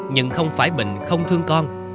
nhưng không phải bình không thương con